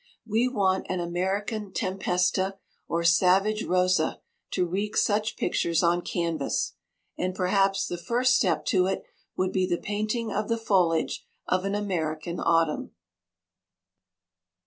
We want an American Tempesta or 'Savage Rosa' to 'wreak' such pictures on canvass; and perhaps the first step to it would be the painting of the foliage of an American Autumn."